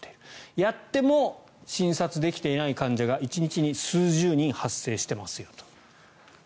やっても診察できていない患者が１日に数十人発生していますよと。